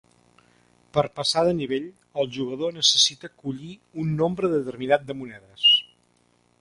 Per passar de nivell, el jugador necessita collir un nombre determinat de monedes.